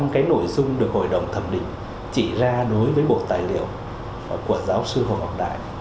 ba trăm linh cái nội dung được hội đồng thẩm định chỉ ra đối với bộ tài liệu của giáo sư hồ ngọc đại